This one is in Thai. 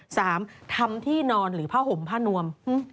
ทำที่นอนหรือผ้าห่มผ้านวม